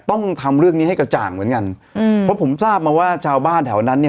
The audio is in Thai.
ต้องทำเรื่องนี้ให้กระจ่างเหมือนกันอืมเพราะผมทราบมาว่าชาวบ้านแถวนั้นเนี่ย